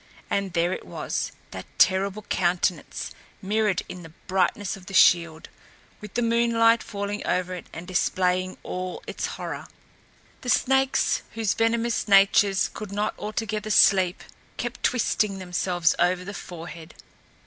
And there it was that terrible countenance mirrored in the brightness of the shield, with the moonlight falling over it and displaying all its horror. The snakes, whose venomous natures could not altogether sleep, kept twisting themselves over the forehead.